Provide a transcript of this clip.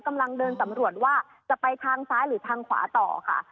กำลังเดินสำรวจว่าจะไปทางซ้ายหรือทางขวาต่อค่ะ